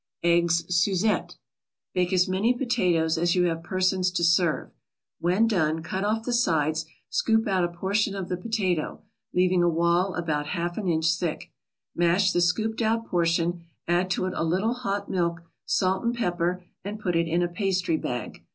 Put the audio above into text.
EGGS SUZETTE Bake as many potatoes as you have persons to serve. When done, cut off the sides, scoop out a portion of the potato, leaving a wall about a half inch thick. Mash the scooped out portion, add to it a little hot milk, salt and pepper, and put it into a pastry bag.